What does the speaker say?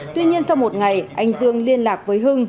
tuy nhiên sau một ngày anh dương liên lạc với hưng